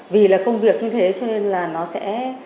vì là công việc như thế cho nên là nó sẽ